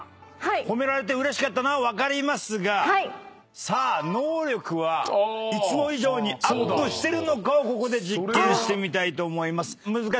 褒められてうれしかったのは分かりますが能力はいつも以上にアップしてるのかをここで実験してみたいと思います。